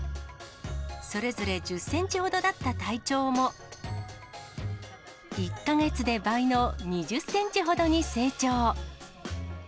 それぞれ１０センチほどだった体長も、１か月で倍の２０センチほどに成長。